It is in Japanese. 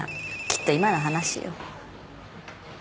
きっと今の話よ。